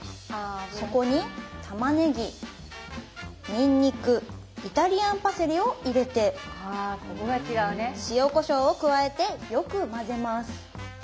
そこにたまねぎにんにくイタリアンパセリを入れて塩・こしょうを加えてよく混ぜます。